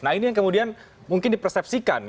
nah ini yang kemudian mungkin di persepsikan